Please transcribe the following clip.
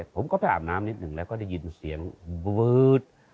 ผมก็ไปอาบน้ำนิดหนึ่งแล้วก็ได้ยินเสียงบื๊ด